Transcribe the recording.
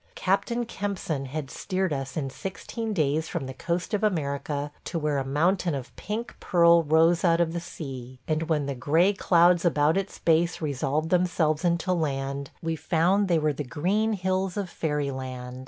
Captain Kempson had steered us in sixteen days from the coast of America to where a mountain of pink pearl rose out of the sea; and when the gray clouds about its base resolved themselves into land, we found they were the green hills of fairyland!